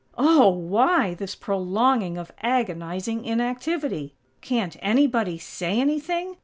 Oh!! Why this prolonging of agonizing inactivity? Can't anybody say anything?